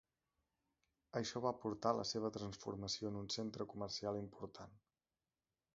Això va portar a la seva transformació en un centre comercial important.